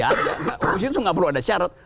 oposisi itu tidak perlu ada syarat